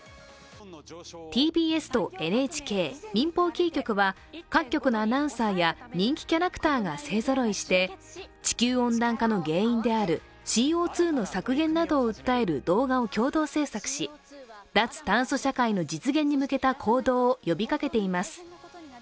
ＴＢＳとＮＨＫ、民放キー局は各局のアナウンサーや人気キャラクターが勢ぞろいして地球温暖化の原因であるＣＯ２の削減などを訴える動画を共同制作し、脱炭素社会の実現に向けた行動を呼びかけています。